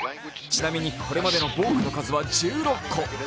ちなみにこれまでのボークの数は１６個。